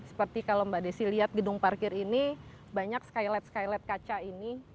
seperti kalau mbak desi lihat gedung parkir ini banyak skylight skylight kaca ini